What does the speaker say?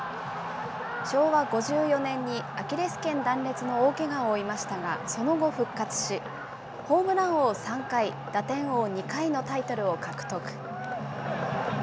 昭和５４年にアキレスけん断裂の大けがを負いましたが、その後復活し、ホームラン王３回、打点王２回のタイトルを獲得。